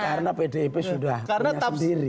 karena pdip sudah punya sendiri